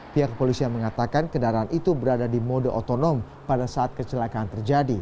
pihak kepolisian mengatakan kendaraan itu berada di mode otonom pada saat kecelakaan terjadi